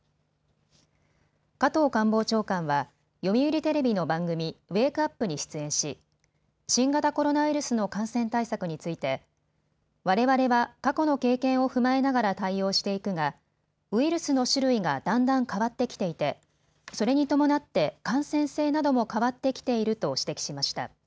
加藤官房長官は読売テレビの番組、ウェークアップに出演し新型コロナウイルスの感染対策についてわれわれは過去の経験を踏まえながら対応していくがウイルスの種類がだんだん変わってきていてそれに伴って感染性なども変わってきていると指摘しました。